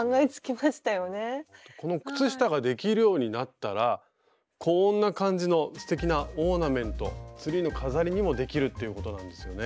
この靴下ができるようになったらこんな感じのすてきなオーナメントツリーの飾りにもできるっていうことなんですよね。